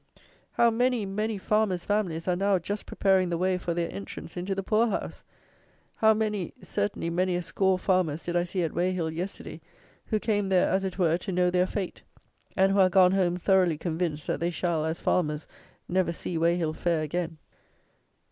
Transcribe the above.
How many, many farmers' families are now just preparing the way for their entrance into the poor house! How many; certainly many a score farmers did I see at Weyhill, yesterday, who came there as it were to know their fate; and who are gone home thoroughly convinced, that they shall, as farmers, never see Weyhill fair again!